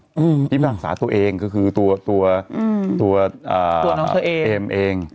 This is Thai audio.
อืมพี่ภาคสาตัวเองก็คือตัวตัวอืมตัวอ่าตัวน้องเธอเองเอง